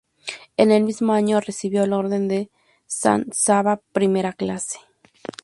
En el mismo año, recibió el orden de San Sava, primera clase.